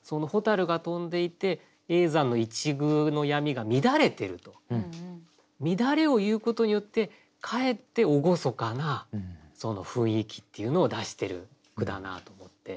蛍が飛んでいて叡山の一隅の闇が乱れてると乱れを言うことによってかえって厳かな雰囲気っていうのを出している句だなと思って。